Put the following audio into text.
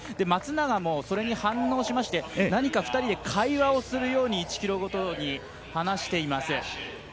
松永も、それに反応しまして何か２人で会話をするように１ｋｍごとに話しています。